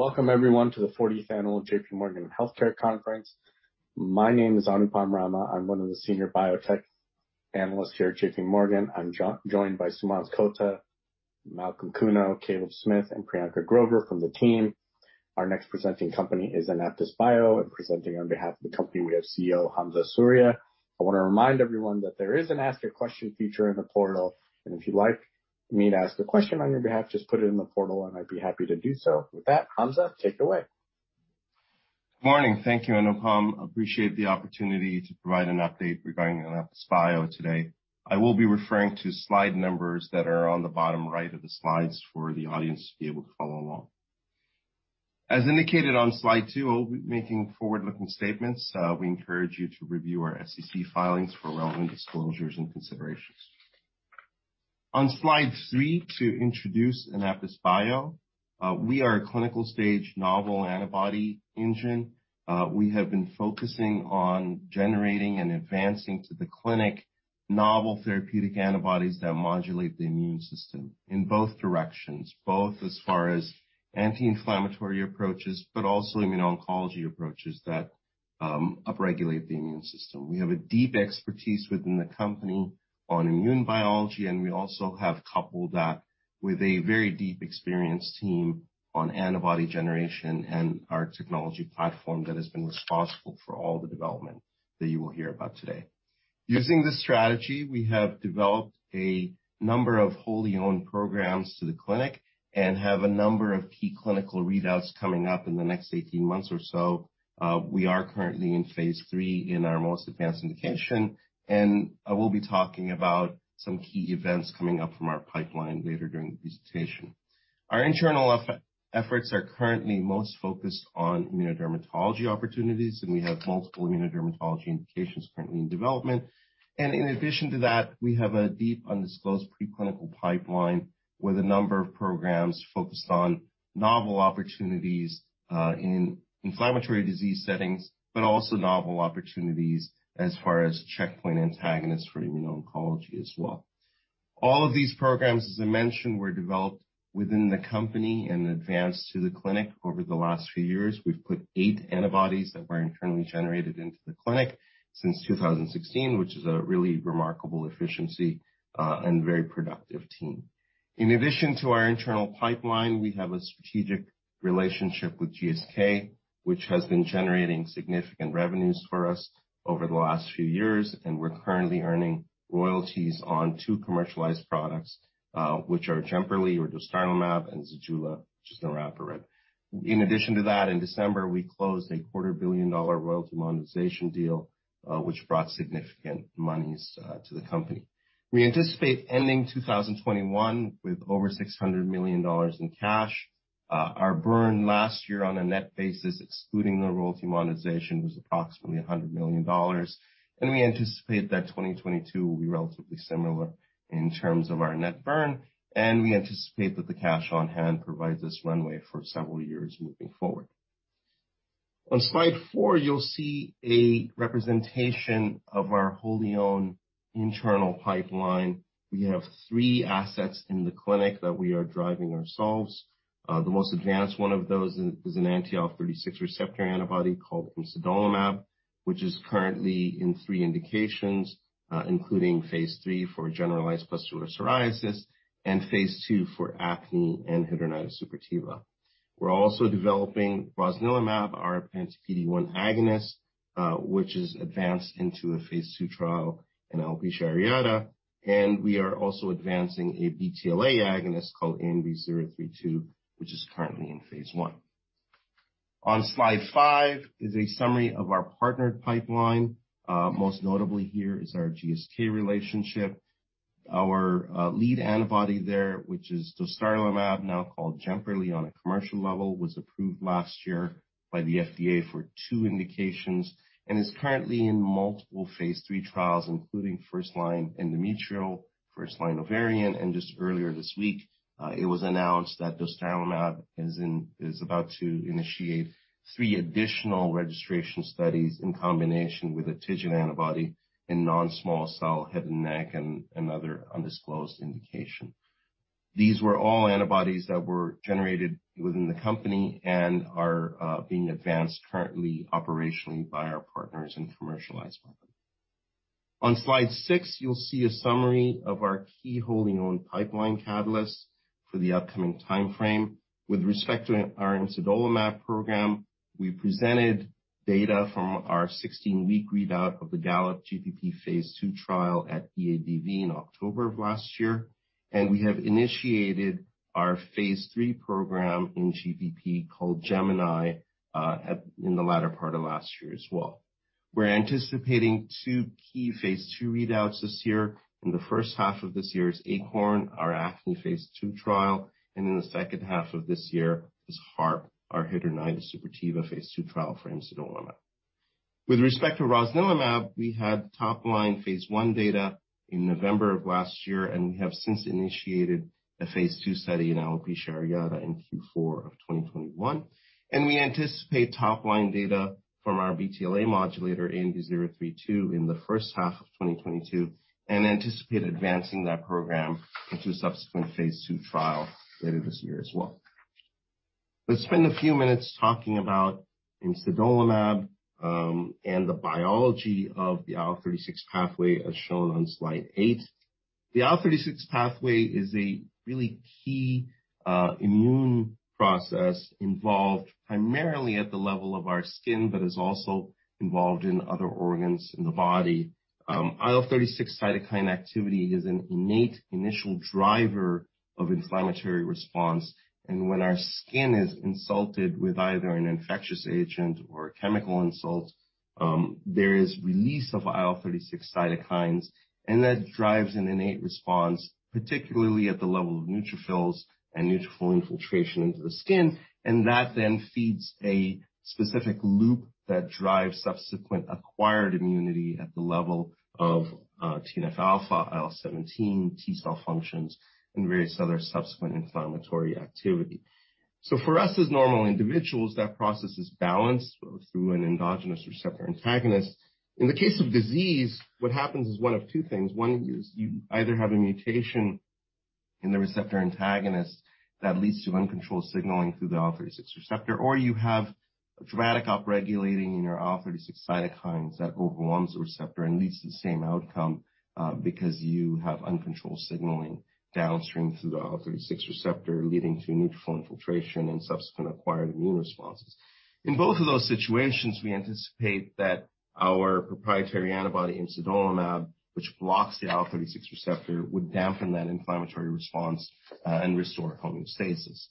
Welcome everyone to the 40th annual JPMorgan Healthcare Conference. My name is Anupam Rama. I'm one of the senior biotech analysts here at JPMorgan. I'm joined by Sumant Kulkarni, Malcolm Kuno, Caleb Smith, and Priyanka Grover from the team. Our next presenting company is AnaptysBio, and presenting on behalf of the company, we have CEO Hamza Suria. I wanna remind everyone that there is an ask a question feature in the portal, and if you'd like me to ask a question on your behalf, just put it in the portal, and I'd be happy to do so. With that, Hamza, take it away. Morning. Thank you, Anupam. I appreciate the opportunity to provide an update regarding AnaptysBio today. I will be referring to slide numbers that are on the bottom right of the slides for the audience to be able to follow along. As indicated on slide two, I'll be making forward-looking statements. We encourage you to review our SEC filings for relevant disclosures and considerations. On slide three, to introduce AnaptysBio, we are a clinical-stage novel antibody engine. We have been focusing on generating and advancing to the clinic novel therapeutic antibodies that modulate the immune system in both directions, both as far as anti-inflammatory approaches, but also immuno-oncology approaches that upregulate the immune system. We have a deep expertise within the company on immune biology, and we also have coupled that with a very deep experienced team on antibody generation and our technology platform that has been responsible for all the development that you will hear about today. Using this strategy, we have developed a number of wholly owned programs to the clinic and have a number of key clinical readouts coming up in the next 18 months or so. We are currently in phase III in our most advanced indication, and I will be talking about some key events coming up from our pipeline later during the presentation. Our internal efforts are currently most focused on immunodermatology opportunities, and we have multiple immunodermatology indications currently in development. In addition to that, we have a deep undisclosed preclinical pipeline with a number of programs focused on novel opportunities in inflammatory disease settings, but also novel opportunities as far as checkpoint antagonists for immuno-oncology as well. All of these programs, as I mentioned, were developed within the company and advanced to the clinic over the last few years. We've put eight antibodies that were internally generated into the clinic since 2016, which is a really remarkable efficiency and very productive team. In addition to our internal pipeline, we have a strategic relationship with GSK, which has been generating significant revenues for us over the last few years, and we're currently earning royalties on two commercialized products, which are JEMPERLI or dostarlimab and ZEJULA, which is niraparib. In addition to that, in December, we closed a quarter billion-dollar royalty monetization deal, which brought significant monies to the company. We anticipate ending 2021 with over $600 million in cash. Our burn last year on a net basis, excluding the royalty monetization, was approximately $100 million, and we anticipate that 2022 will be relatively similar in terms of our net burn, and we anticipate that the cash on hand provides us runway for several years moving forward. On slide four, you'll see a representation of our wholly owned internal pipeline. We have three assets in the clinic that we are driving ourselves. The most advanced one of those is an anti-IL-36 receptor antibody called imsidolimab, which is currently in three indications, including phase III for generalized pustular psoriasis and phase II for acne and hidradenitis suppurativa. We're also developing rosnilimab, our PD-1 agonist, which is advanced into a phase II trial in alopecia areata. We are also advancing a BTLA agonist called ANB032, which is currently in phase I. On slide five is a summary of our partnered pipeline. Most notably here is our GSK relationship. Our lead antibody there, which is dostarlimab, now called JEMPERLI on a commercial level, was approved last year by the FDA for two indications and is currently in multiple phase III trials, including first-line endometrial, first-line ovarian, and just earlier this week, it was announced that dostarlimab is about to initiate three additional registration studies in combination with a TIGIT antibody in non-small cell head and neck and another undisclosed indication. These were all antibodies that were generated within the company and are being advanced currently operationally by our partners in commercialized market. On slide six, you'll see a summary of our key wholly owned pipeline catalysts for the upcoming timeframe. With respect to our imsidolimab program, we presented data from our 16-week readout of the GALLOP GPP phase II trial at EADV in October of last year, and we have initiated our phase III program in GPP called GEMINI in the latter part of last year as well. We're anticipating two key phase II readouts this year, and the first half of this year is ACORN, our acne phase II trial, and in the second half of this year is HARP, our hidradenitis suppurativa phase II trial for imsidolimab. With respect to rosnilimab, we had top-line phase I data in November of last year, and we have since initiated a phase II study in alopecia areata in Q4 of 2021. We anticipate top-line data from our BTLA modulator, ANB032, in the first half of 2022 and anticipate advancing that program into a subsequent phase II trial later this year as well. Let's spend a few minutes talking about imsidolimab and the biology of the IL-36 pathway, as shown on slide eight. The IL-36 pathway is a really key immune process involved primarily at the level of our skin, but is also involved in other organs in the body. IL-36 cytokine activity is an innate initial driver of inflammatory response, and when our skin is insulted with either an infectious agent or a chemical insult, there is release of IL-36 cytokines, and that drives an innate response, particularly at the level of neutrophils and neutrophil infiltration into the skin. That then feeds a specific loop that drives subsequent acquired immunity at the level of, TNF alpha, IL-17, T cell functions, and various other subsequent inflammatory activity. For us, as normal individuals, that process is balanced through an endogenous receptor antagonist. In the case of disease, what happens is one of two things. One is you either have a mutation in the receptor antagonist that leads to uncontrolled signaling through the IL-36 receptor, or you have dramatic upregulating in your IL-36 cytokines that overruns the receptor and leads to the same outcome, because you have uncontrolled signaling downstream through the IL-36 receptor, leading to neutrophil infiltration and subsequent acquired immune responses. In both of those situations, we anticipate that our proprietary antibody imsidolimab, which blocks the IL-36 receptor, would dampen that inflammatory response, and restore homeostasis.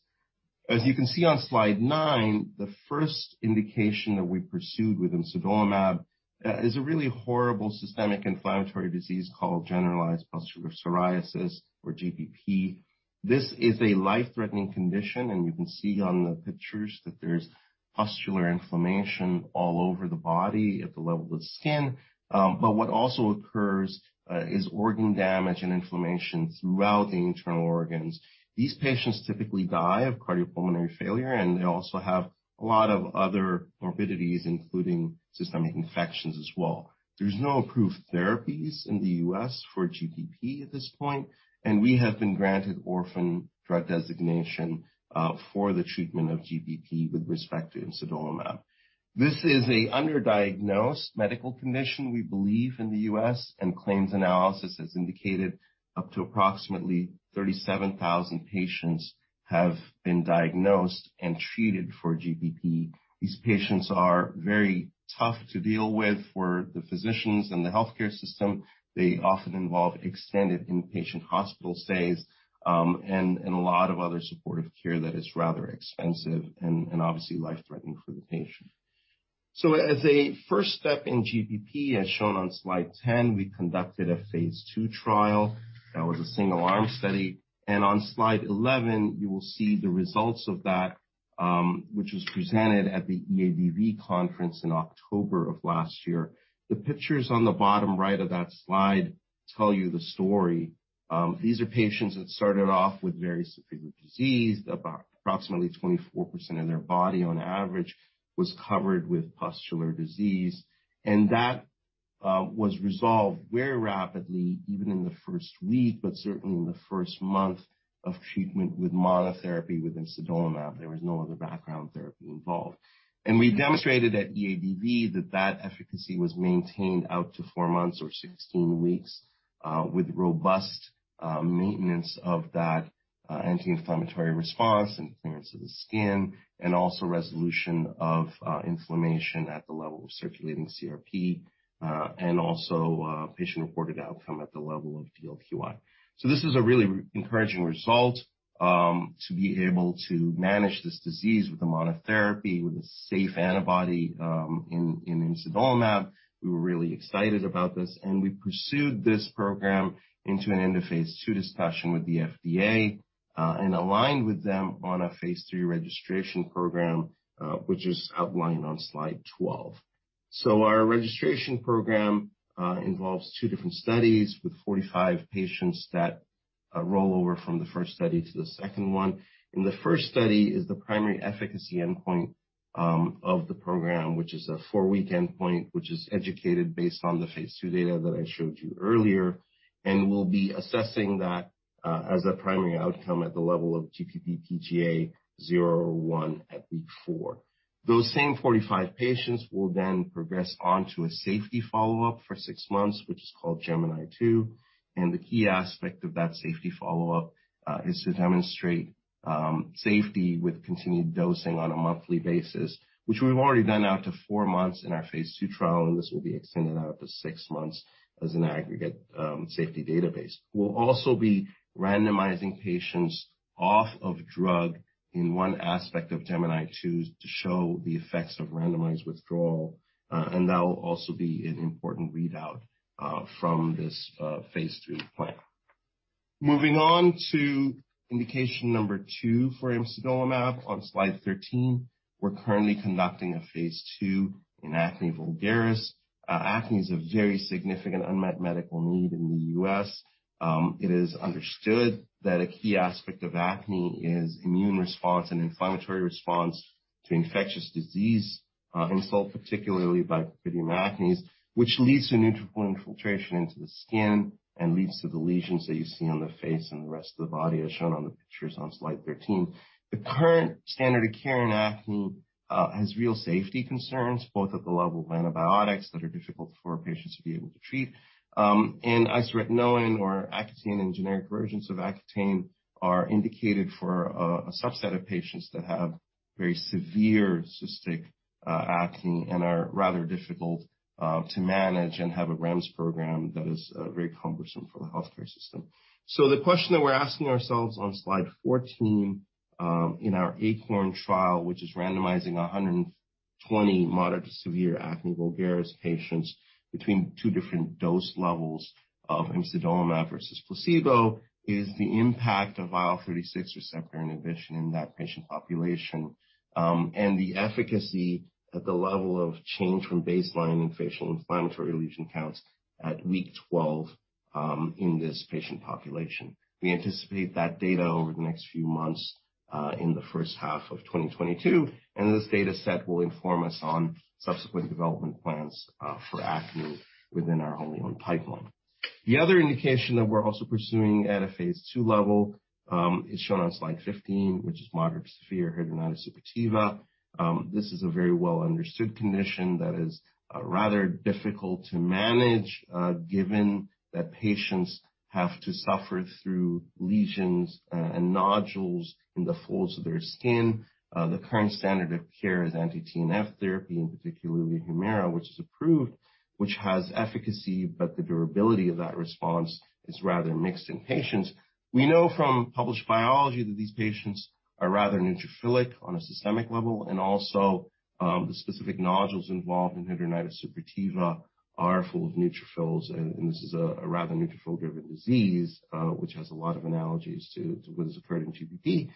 As you can see on slide nine, the first indication that we pursued with imsidolimab is a really horrible systemic inflammatory disease called generalized pustular psoriasis or GPP. This is a life-threatening condition, and you can see on the pictures that there's pustular inflammation all over the body at the level of the skin. What also occurs is organ damage and inflammation throughout the internal organs. These patients typically die of cardiopulmonary failure, and they also have a lot of other morbidities, including systemic infections as well. There's no approved therapies in the U.S. for GPP at this point, and we have been granted orphan drug designation for the treatment of GPP with respect to imsidolimab. This is an underdiagnosed medical condition, we believe, in the U.S., and claims analysis has indicated up to approximately 37,000 patients have been diagnosed and treated for GPP. These patients are very tough to deal with. For the physicians and the healthcare system, they often involve extended inpatient hospital stays, and a lot of other supportive care that is rather expensive and obviously life-threatening for the patient. As a first step in GPP, as shown on slide 10, we conducted a phase II trial. That was a single arm study. On slide 11, you will see the results of that, which was presented at the EADV Conference in October of last year. The pictures on the bottom right of that slide tell you the story. These are patients that started off with very severe disease. About approximately 24% of their body on average was covered with pustular disease. That was resolved very rapidly, even in the first week, but certainly in the first month of treatment with monotherapy with imsidolimab. There was no other background therapy involved. We demonstrated at EADV that efficacy was maintained out to four months or 16 weeks, with robust maintenance of that anti-inflammatory response and clearance of the skin and also resolution of inflammation at the level of circulating CRP, and also patient-reported outcome at the level of DLQI. This is a really encouraging result to be able to manage this disease with a monotherapy, with a safe antibody, in imsidolimab. We were really excited about this, and we pursued this program into an end-of-phase II discussion with the FDA, and aligned with them on a phase III registration program, which is outlined on slide 12. Our registration program involves two different studies with 45 patients that roll over from the first study to the second one. The first study is the primary efficacy endpoint of the program, which is a 4-week endpoint, which is extrapolated based on the phase II data that I showed you earlier and will be assessing that as a primary outcome at the level of GPPGA 0 or 1 at week 4. Those same 45 patients will then progress on to a safety follow-up for 6 months, which is called GEMINI-2. The key aspect of that safety follow-up is to demonstrate safety with continued dosing on a monthly basis, which we've already done out to 4 months in our phase II trial. This will be extended out to 6 months as an aggregate safety database. We'll also be randomizing patients off of drug in one aspect of GEMINI-2 to show the effects of randomized withdrawal. That will also be an important readout from this phase II plan. Moving on to indication number 2 for imsidolimab on slide 13. We're currently conducting a phase II in acne vulgaris. Acne is a very significant unmet medical need in the U.S. It is understood that a key aspect of acne is immune response and inflammatory response to infectious disease insult, particularly by Propionibacterium acnes, which leads to neutrophil infiltration into the skin and leads to the lesions that you see on the face and the rest of the body, as shown on the pictures on slide 13. The current standard of care in acne has real safety concerns, both at the level of antibiotics that are difficult for patients to be able to treat. Isotretinoin or Accutane and generic versions of Accutane are indicated for a subset of patients that have very severe cystic acne and are rather difficult to manage and have a REMS program that is very cumbersome for the healthcare system. The question that we're asking ourselves on slide 14 in our ACORN trial, which is randomizing 120 moderate to severe acne vulgaris patients between 2 different dose levels of imsidolimab versus placebo, is the impact of IL-36 receptor inhibition in that patient population. The efficacy at the level of change from baseline in facial inflammatory lesion counts at week 12 in this patient population. We anticipate that data over the next few months in the first half of 2022, and this data set will inform us on subsequent development plans for acne within our wholly owned pipeline. The other indication that we're also pursuing at a phase II level is shown on slide 15, which is moderate to severe hidradenitis suppurativa. This is a very well-understood condition that is rather difficult to manage given that patients have to suffer through lesions and nodules in the folds of their skin. The current standard of care is anti-TNF therapy, and particularly Humira, which is approved, which has efficacy, but the durability of that response is rather mixed in patients. We know from published biology that these patients are rather neutrophilic on a systemic level, and also, the specific nodules involved in hidradenitis suppurativa are full of neutrophils. This is a rather neutrophil-driven disease, which has a lot of analogies to what has occurred in GPP.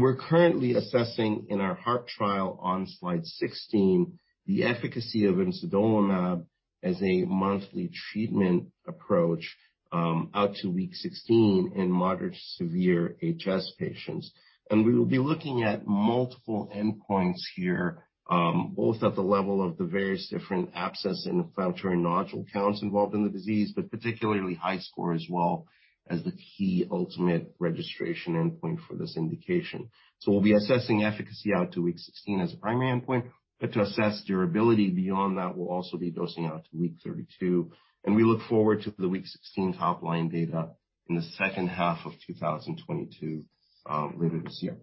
We're currently assessing in our HARP trial on slide 16 the efficacy of imsidolimab as a monthly treatment approach, out to week 16 in moderate to severe HS patients. We will be looking at multiple endpoints here, both at the level of the various different abscess and inflammatory nodule counts involved in the disease, but particularly HiSCR as well as the key ultimate registration endpoint for this indication. We'll be assessing efficacy out to week 16 as a primary endpoint, but to assess durability beyond that, we'll also be dosing out to week 32. We look forward to the week 16 top-line data in the second half of 2022, later this year.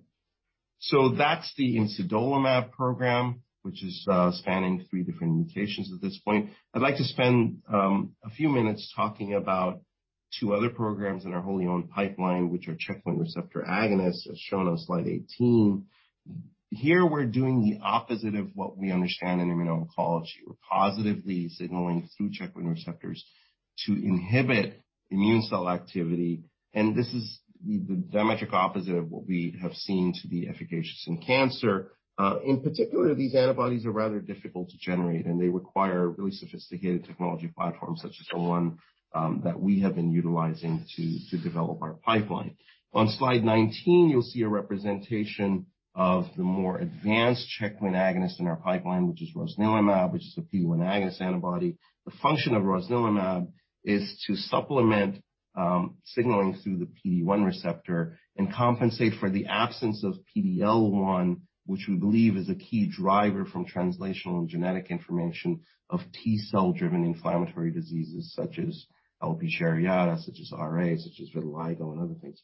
That's the imsidolimab program, which is spanning three different indications at this point. I'd like to spend a few minutes talking about two other programs in our wholly owned pipeline, which are checkpoint receptor agonists, as shown on slide 18. Here we're doing the opposite of what we understand in immuno-oncology. We're positively signaling through checkpoint receptors to inhibit immune cell activity. This is the diametric opposite of what we have seen to be efficacious in cancer. In particular, these antibodies are rather difficult to generate, and they require really sophisticated technology platforms, such as the one that we have been utilizing to develop our pipeline. On slide 19, you'll see a representation of the more advanced checkpoint agonist in our pipeline, which is rosnilimab, which is a PD-1 agonist antibody. The function of rosnilimab is to supplement signaling through the PD-1 receptor and compensate for the absence of PD-L1, which we believe is a key driver from translational and genetic information of T cell-driven inflammatory diseases such as alopecia areata, such as RA, such as vitiligo and other things.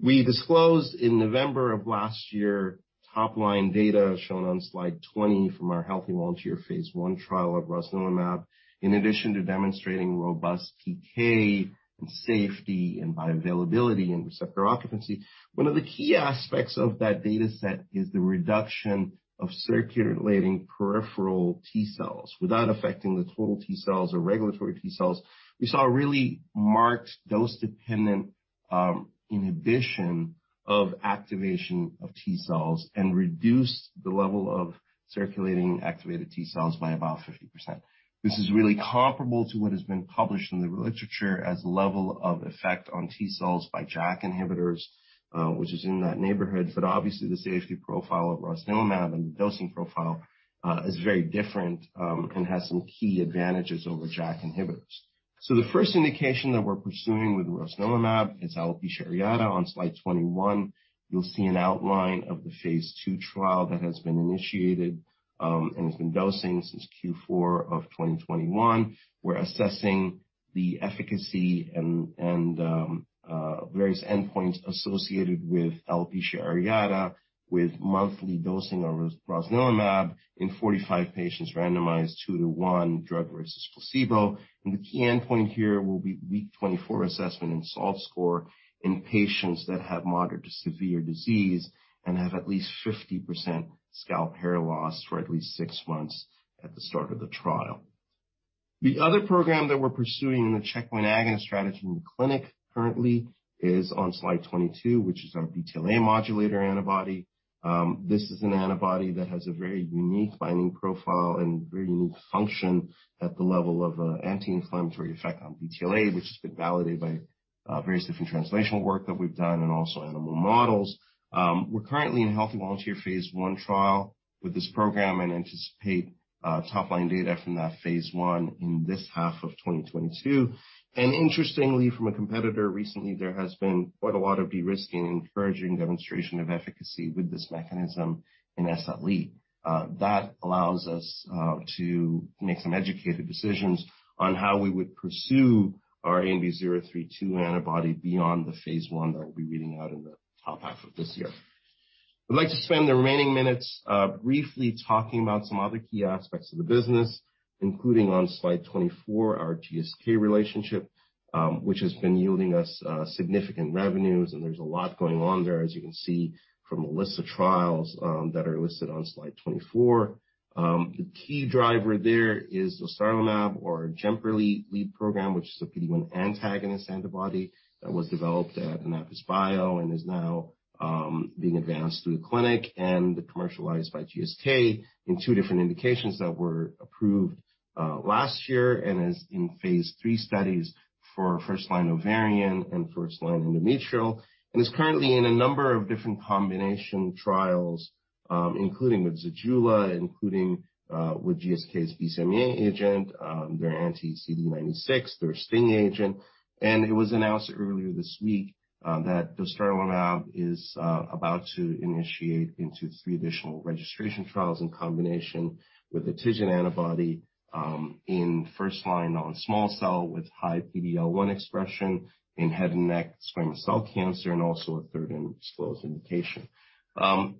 We disclosed in November of last year top-line data shown on slide 20 from our healthy volunteer phase I trial of rosnilimab. In addition to demonstrating robust PK and safety and bioavailability and receptor occupancy, one of the key aspects of that data set is the reduction of circulating peripheral T cells. Without affecting the total T cells or regulatory T cells, we saw a really marked dose-dependent inhibition of activation of T cells and reduced the level of circulating activated T cells by about 50%. This is really comparable to what has been published in the literature as level of effect on T cells by JAK inhibitors, which is in that neighborhood. But obviously, the safety profile of rosnilimab and the dosing profile is very different and has some key advantages over JAK inhibitors. The first indication that we're pursuing with rosnilimab is alopecia areata on slide 21. You'll see an outline of the phase II trial that has been initiated, and it's been dosing since Q4 2021. We're assessing the efficacy and various endpoints associated with alopecia areata with monthly dosing of rosnilimab in 45 patients randomized 2-to-1 drug versus placebo. The key endpoint here will be week 24 assessment and SALT score in patients that have moderate to severe disease and have at least 50% scalp hair loss for at least six months at the start of the trial. The other program that we're pursuing in the checkpoint agonist strategy in the clinic currently is on slide 22, which is our BTLA modulator antibody. This is an antibody that has a very unique binding profile and very unique function at the level of anti-inflammatory effect on BTLA, which has been validated by various different translational work that we've done and also animal models. We're currently in healthy volunteer phase I trial with this program and anticipate top-line data from that phase I in this half of 2022. Interestingly, from a competitor recently, there has been quite a lot of de-risking and encouraging demonstration of efficacy with this mechanism in SLE. That allows us to make some educated decisions on how we would pursue our ANB032 antibody beyond the phase I that we'll be reading out in the top half of this year. I'd like to spend the remaining minutes briefly talking about some other key aspects of the business, including on slide 24, our GSK relationship, which has been yielding us significant revenues. There's a lot going on there, as you can see from the list of trials that are listed on slide 24. The key driver there is dostarlimab or JEMPERLI lead program, which is a PD-1 antagonist antibody that was developed at AnaptysBio and is now being advanced through the clinic and commercialized by GSK in two different indications that were approved last year and is in phase III studies for first-line ovarian and first-line endometrial, and is currently in a number of different combination trials, including with ZEJULA, including with GSK's BCMA agent, their anti-CD96, their STING agonist. It was announced earlier this week that dostarlimab is about to initiate into three additional registration trials in combination with atezolizumab antibody in first-line non-small cell with high PD-L1 expression in head and neck squamous cell cancer, and also a third undisclosed indication.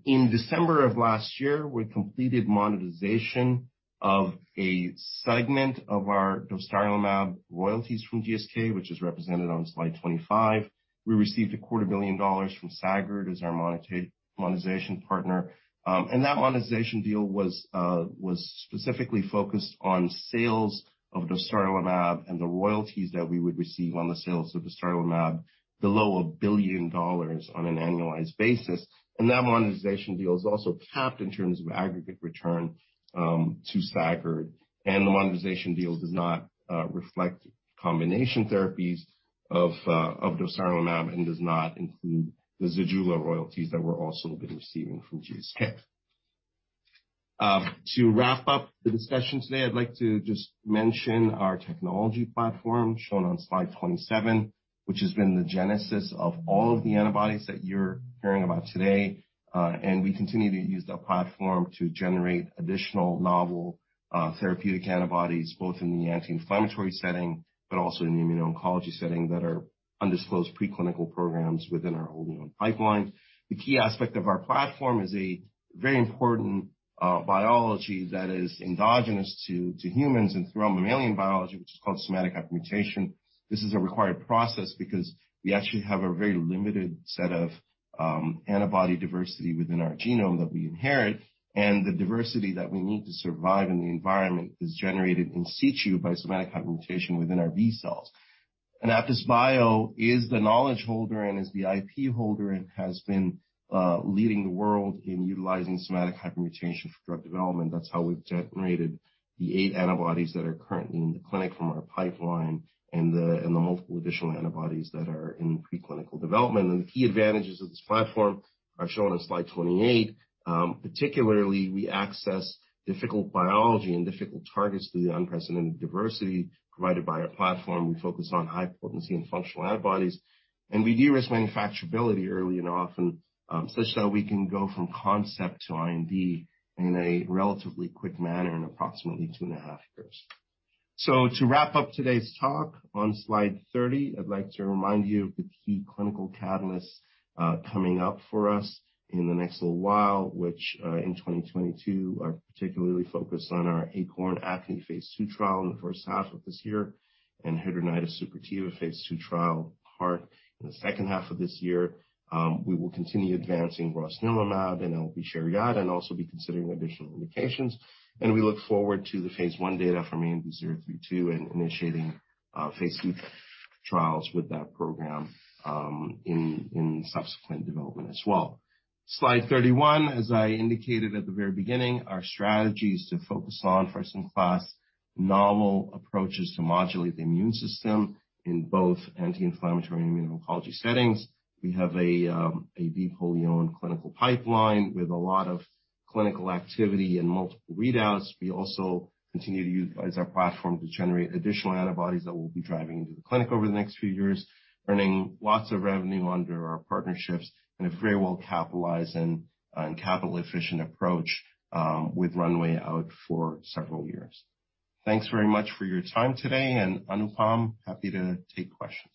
In December of last year, we completed monetization of a segment of our dostarlimab royalties from GSK, which is represented on slide 25. We received a quarter billion dollars from Sagard as our monetization partner. That monetization deal was specifically focused on sales of dostarlimab and the royalties that we would receive on the sales of dostarlimab below $1 billion on an annualized basis. That monetization deal is also capped in terms of aggregate return to Sagard. The monetization deal does not reflect combination therapies of dostarlimab and does not include the ZEJULA royalties that we're also been receiving from GSK. To wrap up the discussion today, I'd like to just mention our technology platform shown on slide 27, which has been the genesis of all of the antibodies that you're hearing about today. We continue to use that platform to generate additional novel therapeutic antibodies, both in the anti-inflammatory setting, but also in the immuno-oncology setting that are undisclosed preclinical programs within our own pipeline. The key aspect of our platform is a very important biology that is endogenous to humans and through all mammalian biology, which is called somatic hypermutation. This is a required process because we actually have a very limited set of antibody diversity within our genome that we inherit, and the diversity that we need to survive in the environment is generated in situ by somatic hypermutation within our B cells. AnaptysBio is the knowledge holder and is the IP holder, and has been leading the world in utilizing somatic hypermutation for drug development. That's how we've generated the eight antibodies that are currently in the clinic from our pipeline and the multiple additional antibodies that are in preclinical development. The key advantages of this platform are shown on slide 28. Particularly, we access difficult biology and difficult targets through the unprecedented diversity provided by our platform. We focus on high potency and functional antibodies, and we de-risk manufacturability early and often, such that we can go from concept to R&D in a relatively quick manner in approximately 2.5 years. To wrap up today's talk, on slide 30, I'd like to remind you of the key clinical catalysts coming up for us in the next little while, which in 2022 are particularly focused on our ACORN acne phase II trial in the first half of this year and hidradenitis suppurativa phase II trial part. In the second half of this year, we will continue advancing rosnilimab and alopecia areata, and also be considering additional indications. We look forward to the phase I data from ANB032 and initiating phase II trials with that program in subsequent development as well. Slide 31, as I indicated at the very beginning, our strategy is to focus on first-in-class novel approaches to modulate the immune system in both anti-inflammatory and immuno-oncology settings. We have a deep wholly-owned clinical pipeline with a lot of clinical activity and multiple readouts. We also continue to utilize our platform to generate additional antibodies that we'll be driving into the clinic over the next few years, earning lots of revenue under our partnerships in a very well-capitalized and capital efficient approach, with runway out for several years. Thanks very much for your time today. Anupam, happy to take questions.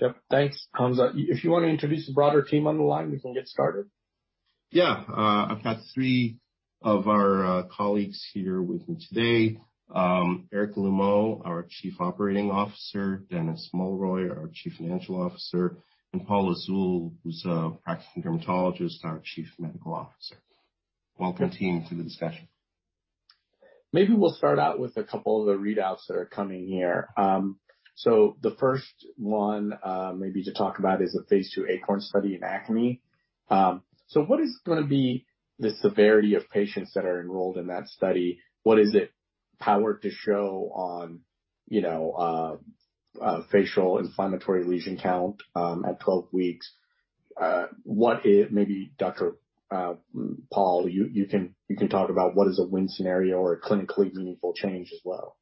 Yep. Thanks, Hamza. If you want to introduce the broader team on the line, we can get started. Yeah. I've got three of our colleagues here with me today. Eric Loumeau, our Chief Operating Officer, Dennis Mulroy, our Chief Financial Officer, and Paul Lizzul, who's a practicing dermatologist, our Chief Medical Officer. Welcome, team, to the discussion. Maybe we'll start out with a couple of the readouts that are coming here. The first one maybe to talk about is the phase II ACORN study in acne. What is gonna be the severity of patients that are enrolled in that study? What is it powered to show on, you know, facial inflammatory lesion count at 12 weeks. Maybe Dr. Paul, you can talk about what is a win scenario or a clinically meaningful change as well.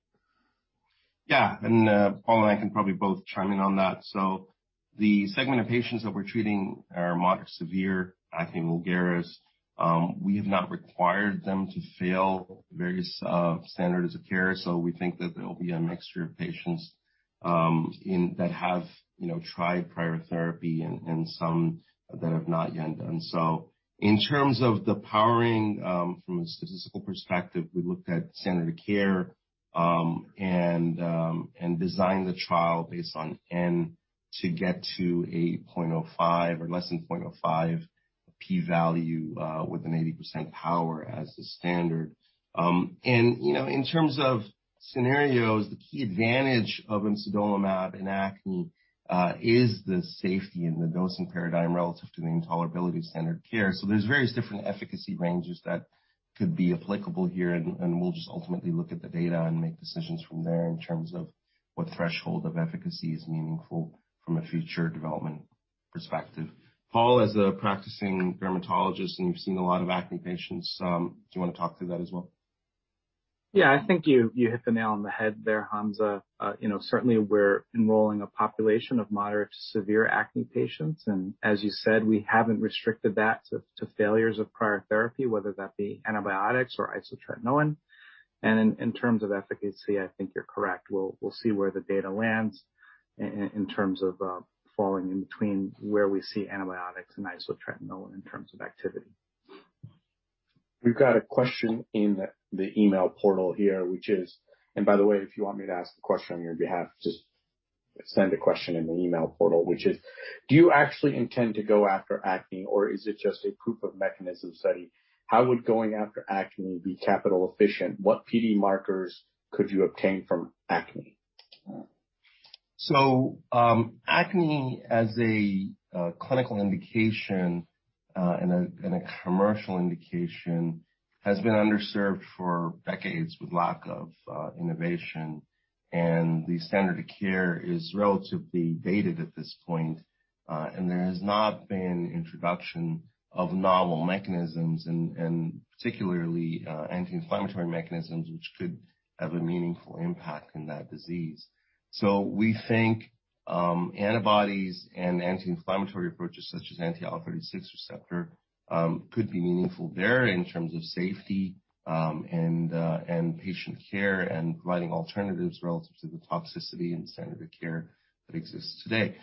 Yeah, Paul and I can probably both chime in on that. The segment of patients that we're treating are moderate-severe acne vulgaris. We have not required them to fail various standards of care. We think that there will be a mixture of patients that have, you know, tried prior therapy and some that have not yet done so. In terms of the powering, from a statistical perspective, we looked at standard of care and designed the trial based on N to get to a 0.05 or less than 0.05 P value with an 80% power as the standard. You know, in terms of scenarios, the key advantage of imsidolimab in acne is the safety and the dosing paradigm relative to the intolerability standard of care. There's various different efficacy ranges that could be applicable here, and we'll just ultimately look at the data and make decisions from there in terms of what threshold of efficacy is meaningful from a future development perspective. Paul, as a practicing dermatologist, and you've seen a lot of acne patients, do you wanna talk through that as well? Yeah. I think you hit the nail on the head there, Hamza. You know, certainly we're enrolling a population of moderate to severe acne patients, and as you said, we haven't restricted that to failures of prior therapy, whether that be antibiotics or isotretinoin. In terms of efficacy, I think you're correct. We'll see where the data lands in terms of falling in between where we see antibiotics and isotretinoin in terms of activity. We've got a question in the email portal here, which is. By the way, if you want me to ask the question on your behalf, just send a question in the email portal, which is, do you actually intend to go after acne, or is it just a proof of mechanism study? How would going after acne be capital efficient? What PD markers could you obtain from acne? Acne as a clinical indication and a commercial indication has been underserved for decades with lack of innovation, and the standard of care is relatively dated at this point. There has not been introduction of novel mechanisms and particularly anti-inflammatory mechanisms which could have a meaningful impact in that disease. We think antibodies and anti-inflammatory approaches such as anti-IL-36 receptor could be meaningful there in terms of safety and patient care and providing alternatives relative to the toxicity and standard of care that exists today.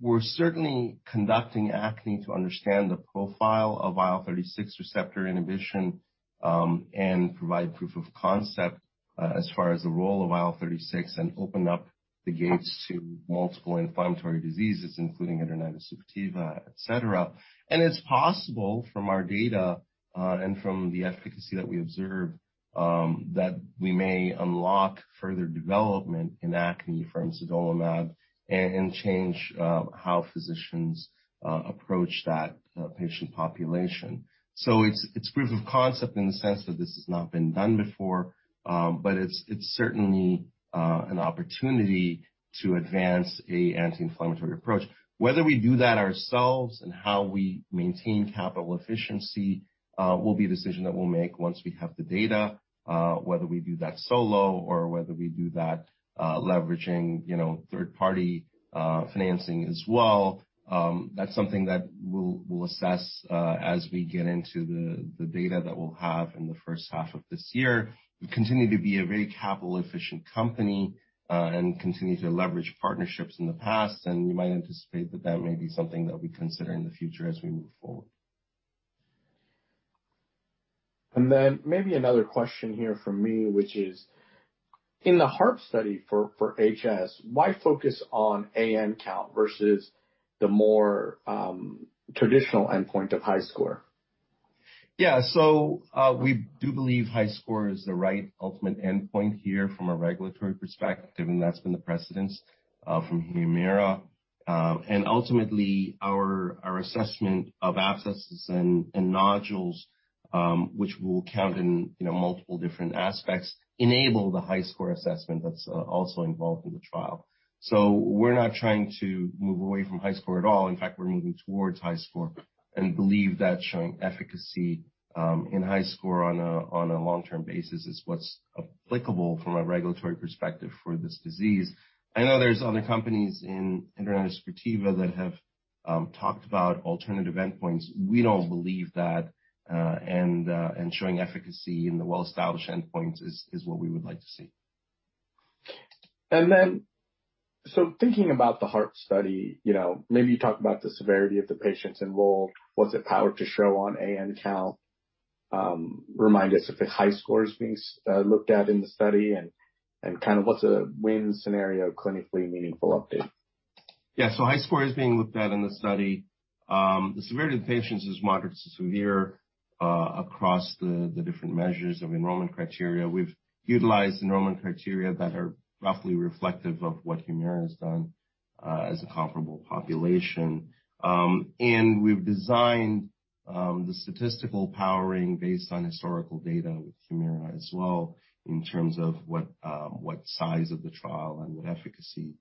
We're certainly conducting in acne to understand the profile of IL-36 receptor inhibition and provide proof of concept as far as the role of IL-36 and open up the gates to multiple inflammatory diseases, including hidradenitis suppurativa, et cetera. It's possible from our data and from the efficacy that we observe that we may unlock further development in acne for imsidolimab and change how physicians approach that patient population. It's proof of concept in the sense that this has not been done before, but it's certainly an opportunity to advance an anti-inflammatory approach. Whether we do that ourselves and how we maintain capital efficiency will be a decision that we'll make once we have the data. Whether we do that solo or whether we do that leveraging you know third party financing as well, that's something that we'll assess as we get into the data that we'll have in the first half of this year. We continue to be a very capital efficient company, and continue to leverage partnerships in the past, and you might anticipate that that may be something that we consider in the future as we move forward. Maybe another question here from me, which is: In the HARP study for HS, why focus on AN count versus the more traditional endpoint of HiSCR? Yeah. We do believe HiSCR is the right ultimate endpoint here from a regulatory perspective, and that's been the precedent from Humira. Ultimately our assessment of abscesses and nodules, which we'll count in, you know, multiple different aspects, enable the HiSCR assessment that's also involved in the trial. We're not trying to move away from HiSCR at all. In fact, we're moving towards HiSCR and believe that showing efficacy in HiSCR on a long-term basis is what's applicable from a regulatory perspective for this disease. I know there's other companies in hidradenitis suppurativa that have talked about alternative endpoints. We don't believe that, and showing efficacy in the well-established endpoints is what we would like to see. Thinking about the HARP study, you know, maybe you talk about the severity of the patients involved. Was it powered to show on AN count? Remind us if a high score is being looked at in the study and kind of what's a win scenario, clinically meaningful update? Yeah. HiSCR is being looked at in the study. The severity of the patients is moderate to severe across the different measures of enrollment criteria. We've utilized enrollment criteria that are roughly reflective of what Humira has done as a comparable population. We've designed the statistical powering based on historical data with Humira as well in terms of what size of the trial and what efficacy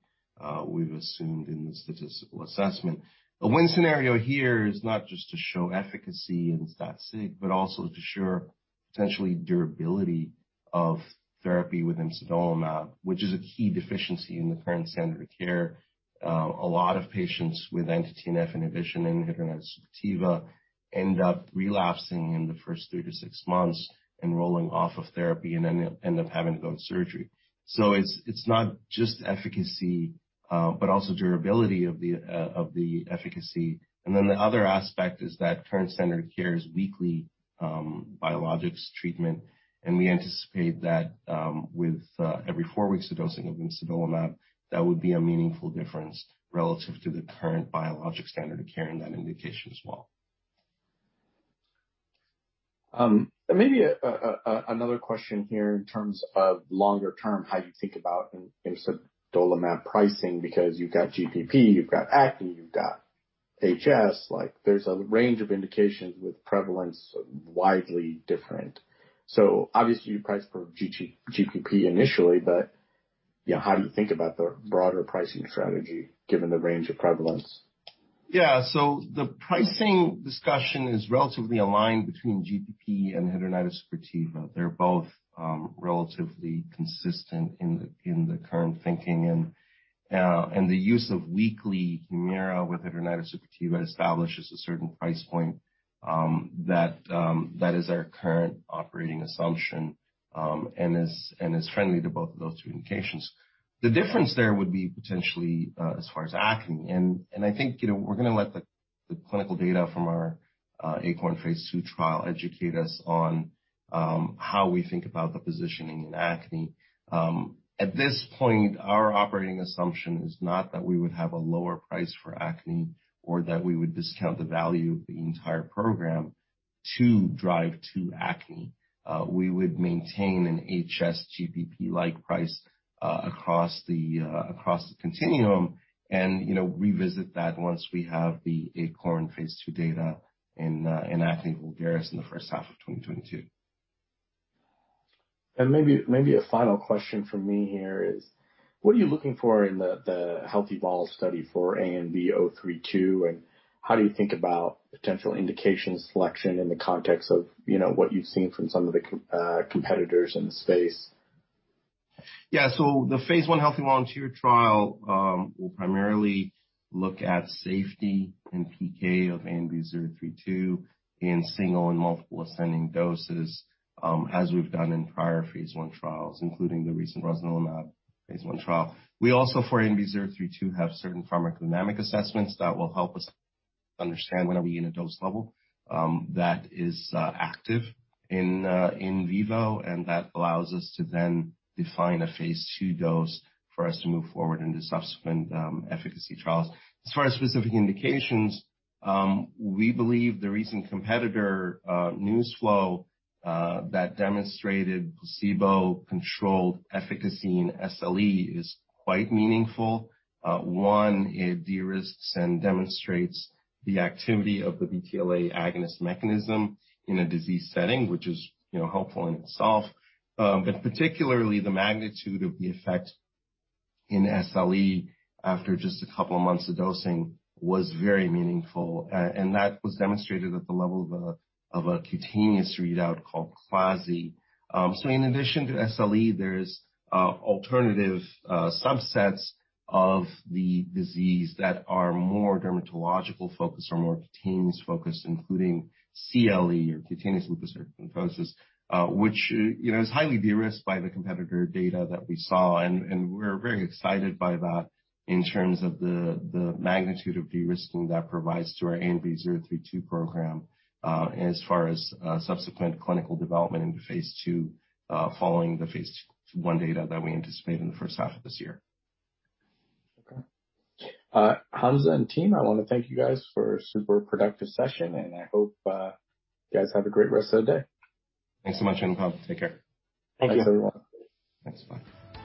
we've assumed in the statistical assessment. The win scenario here is not just to show efficacy in stat sig, but also to show potentially durability of therapy with imsidolimab, which is a key deficiency in the current standard of care. A lot of patients with anti-TNF inhibition in hidradenitis suppurativa end up relapsing in the first three-six months and rolling off of therapy and then they'll end up having to go to surgery. It's not just efficacy, but also durability of the efficacy. The other aspect is that current standard care is weekly biologics treatment, and we anticipate that with every 4 weeks of dosing of imsidolimab, that would be a meaningful difference relative to the current biologic standard of care in that indication as well. Maybe another question here in terms of longer term, how you think about imsidolimab pricing, because you've got GPP, you've got acne, you've got HS. Like, there's a range of indications with prevalence widely different. So obviously you price for GPP initially, but, you know, how do you think about the broader pricing strategy given the range of prevalence? Yeah. The pricing discussion is relatively aligned between GPP and hidradenitis suppurativa. They're both relatively consistent in the current thinking. The use of weekly Humira with hidradenitis suppurativa establishes a certain price point that is our current operating assumption and is friendly to both of those two indications. The difference there would be potentially as far as acne, and I think, you know, we're gonna let the clinical data from our ACORN phase II trial educate us on how we think about the positioning in acne. At this point, our operating assumption is not that we would have a lower price for acne or that we would discount the value of the entire program to drive to acne. We would maintain an HS GPP-like price across the continuum and, you know, revisit that once we have the ACORN phase II data in acne vulgaris in the first half of 2022. Maybe a final question from me here is, what are you looking for in the healthy volunteer study for ANB032, and how do you think about potential indication selection in the context of, you know, what you've seen from some of the competitors in the space? Yeah. The phase I healthy volunteer trial will primarily look at safety and PK of ANB032 in single and multiple ascending doses, as we've done in prior phase I trials, including the recent rosnilimab phase I trial. We also, for ANB032, have certain pharmacodynamic assessments that will help us understand when are we in a dose level that is active in vivo, and that allows us to then define a phase II dose for us to move forward into subsequent efficacy trials. As far as specific indications, we believe the recent competitor news flow that demonstrated placebo-controlled efficacy in SLE is quite meaningful. One, it de-risks and demonstrates the activity of the BTLA agonist mechanism in a disease setting, which is, you know, helpful in itself. Particularly the magnitude of the effect in SLE after just a couple of months of dosing was very meaningful. That was demonstrated at the level of a cutaneous readout called CLASI. In addition to SLE, there are alternative subsets of the disease that are more dermatological focused or more cutaneous focused, including CLE or cutaneous lupus erythematosus, which, you know, is highly de-risked by the competitor data that we saw. We're very excited by that in terms of the magnitude of de-risking that provides to our ANB032 program, as far as subsequent clinical development into phase II, following the phase I data that we anticipate in the first half of this year. Okay. Hamza and team, I wanna thank you guys for a super productive session, and I hope you guys have a great rest of the day. Thanks so much, Anup. Take care. Thank you. Thanks, everyone. Thanks. Bye.